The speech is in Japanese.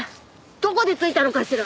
どこでついたのかしら？